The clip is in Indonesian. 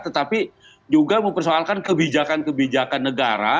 tetapi juga mempersoalkan kebijakan kebijakan negara